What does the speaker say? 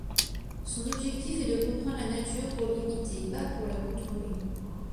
Son objectif est de comprendre la nature pour l'imiter pas pour la contrôler.